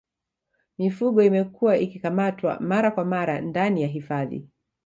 mifugo imekuwa ikikamatwa mara kwa mara ndani ya hifadhi